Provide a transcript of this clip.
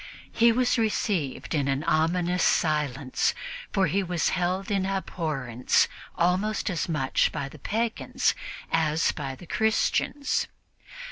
He was received in an ominous silence, for he was held in abhorrence almost as much by the pagans as by the Christians.